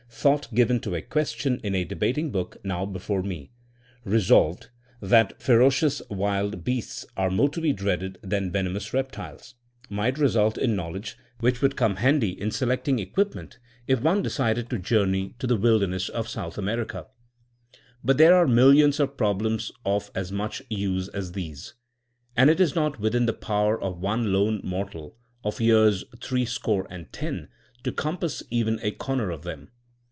Thought given to a question in a de bating book now before me, ^'Eesolved, that Ferocious Wild Beasts are more to be dreaded than Venomous Reptiles,*' might result in knowledge which would come handy in select ing equipment if one decided to journey to the 210 THINKINa AS A SODSNOE wilderness of South America. But there are millions of problems of as much use as these ; and it is not within the power of one lone mor tal, of years three score and ten, to compass even a comer of them.